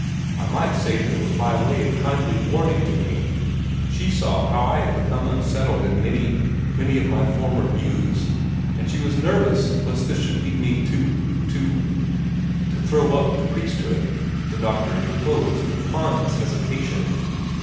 I might say that it was by way of kindly warning to me. She saw how I had become unsettled in many many of my former views and she was nervous lest this should lead me to to " "To throw up the priesthood," the doctor interposed upon his hesitation.